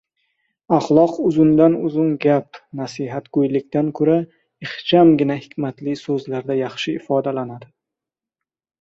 Axloq uzundan-uzun gap, nasihatgo‘ylikdan ko‘ra ixchamgina hikmatli so‘zlarda yaxshi ifodalanadi.